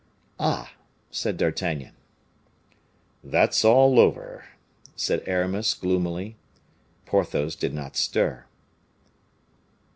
"Ah!" said D'Artagnan. "That's all over," said Aramis, gloomily. Porthos did not stir.